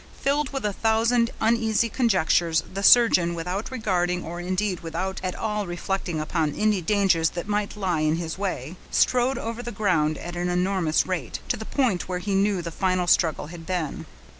Filled with a thousand uneasy conjectures, the surgeon, without regarding, or indeed without at all reflecting upon any dangers that might lie in his way, strode over the ground at an enormous rate, to the point where he knew the final struggle had been.